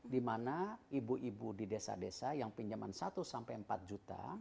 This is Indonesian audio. dimana ibu ibu di desa desa yang pinjaman satu sampai empat juta